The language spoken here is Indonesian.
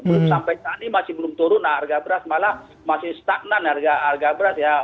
sampai tadi masih belum turun harga beras malah masih stagnan harga beras ya